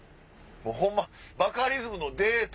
ホンマバカリズムのデート